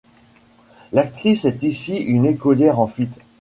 L'actrice est ici une écolière en fuite.